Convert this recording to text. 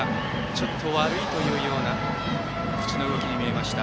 ちょっと「悪い」というような口の動きに見えました。